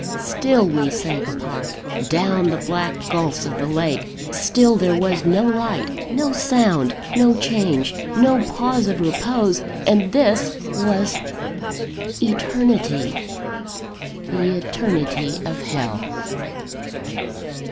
Still we sank apart, down the black gulphs of the lake; still there was no light, no sound, no change, no pause of repose and this was eternity: the eternity of Hell!